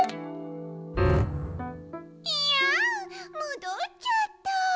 もどっちゃった！